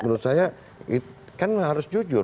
menurut saya kan harus jujur